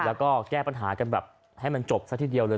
แล้วก็แก้ปัญหากันแบบให้มันจบซะทีเดียวเลย